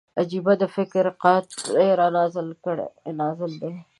عجيبه د فکر قحط را نازل دی